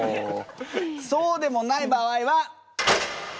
そうでもない場合は。